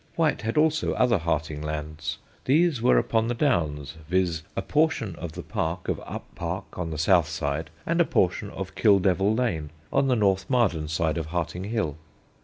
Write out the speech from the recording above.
White had also other Harting lands. These were upon the Downs, viz.: a portion of the Park of Uppark on the south side, and a portion of Kildevil Lane, on the North Marden side of Harting Hill.